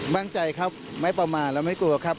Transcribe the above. บ้างใจครับไม่ประมาณแล้วไม่กลัวครับ